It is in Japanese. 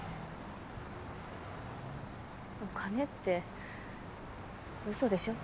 お金って嘘でしょ？